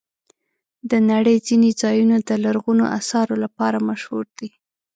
د نړۍ ځینې ځایونه د لرغونو آثارو لپاره مشهور دي.